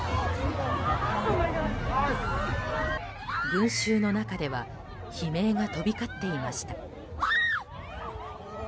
群衆の中では悲鳴が飛び交っていました。